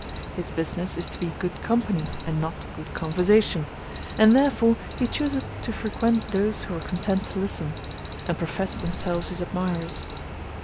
His business is to be good company, and not good conversation; and therefore, he chooseth to frequent those who are content to listen, and profess themselves his admirers.